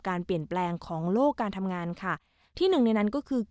การเปลี่ยนแปลงของโลกการทำงานค่ะที่หนึ่งในนั้นก็คือ